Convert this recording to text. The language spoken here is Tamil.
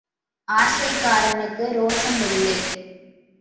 ஆசைக்காரனுக்கு ரோசம் இல்லை.